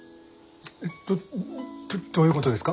えどどういうことですか？